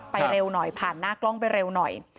เร็วหน่อยผ่านหน้ากล้องไปเร็วหน่อย